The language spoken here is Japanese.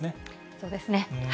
そうですね。